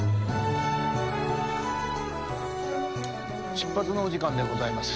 出発のお時間でございます。